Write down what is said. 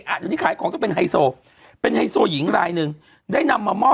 อ่ะเดี๋ยวนี้ขายของต้องเป็นไฮโซเป็นไฮโซหญิงรายหนึ่งได้นำมามอบ